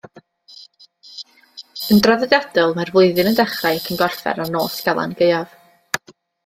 Yn draddodiadol, mae'r flwyddyn yn dechrau ac yn gorffen ar Nos Galan Gaeaf.